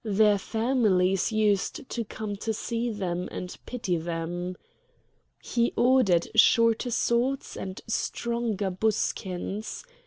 Their families used to come to see them and pity them. He ordered shorter swords and stronger buskins.